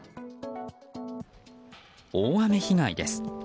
大雨被害です。